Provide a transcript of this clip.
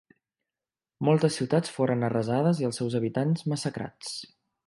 Moltes ciutats foren arrasades i els seus habitants massacrats.